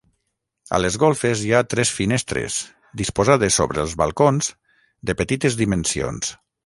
A les golfes hi ha tres finestres- disposades sobre els balcons- de petites dimensions.